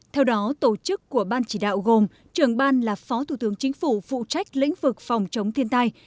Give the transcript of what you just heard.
theo đó tổ chức của ban chỉ đạo gồm trưởng ban là phó thủ tướng chính phủ phụ trách lĩnh vực phòng chống thiên tai